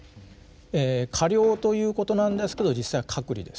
え加療ということなんですけど実際は隔離です。